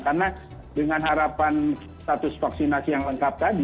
karena dengan harapan status vaksinasi yang lengkap tadi